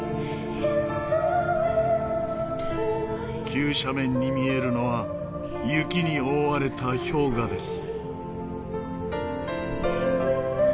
急斜面に見えるのは雪に覆われた氷河です。